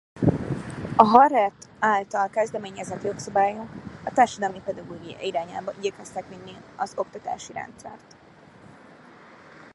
A Haret által kezdeményezett jogszabályok a társadalmi pedagógia irányába igyekeztek vinni az oktatási rendszert.